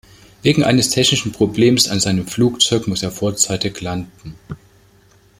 Wegen eines technischen Problems an seinem Flugzeug muss er vorzeitig landen.